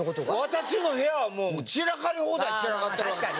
私の部屋はもう散らかり放題に散らかってるわけです。